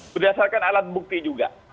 berdasarkan alat bukti juga